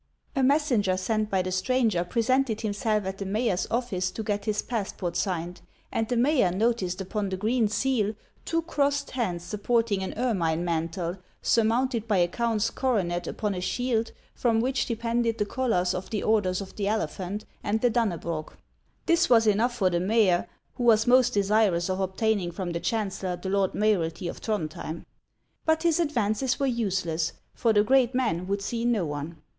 A messenger sent by the stranger presented himself at the mayor's office to get his pass port signed, and the mayor noticed upon the green seal HANS OF ICELAND. 167 two crossed hands supporting an ermine mantle, sur mounted by a count's coronet upon a shield, from which depended the collars of the Orders of the Elephant and the Danuebrog. This was enough for the mayor, who was most desirous of obtaining from the chancellor the lord mayoralty of Throndhjem. But his advances were useless, for the great man would see no one.